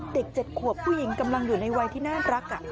เด็ก๗ขวบผู้หญิงกำลังอยู่ในวัยที่น่ารัก